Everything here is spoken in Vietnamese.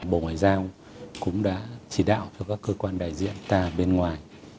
bộ ngoại giao cũng đã chỉ đạo cho các cơ quan đại diện ta bên ngoài